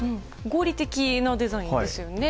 合理的なデザインですよね。